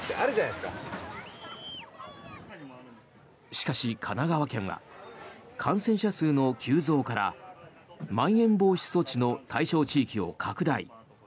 しかし、神奈川県は感染者数の急増からまん延防止措置の対象地域を拡大。